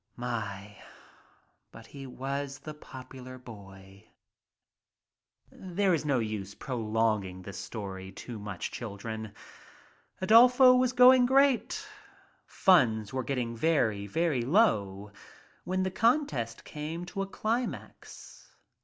, but he was the popuFar boy. "There is no use in prolonging this story too much, children. Adolfo was going great. Funds were getting very, very low, when the contest came to a climax.